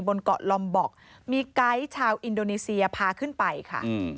บนเกาะลอมบอกมีไกด์ชาวอินโดนีเซียพาขึ้นไปค่ะ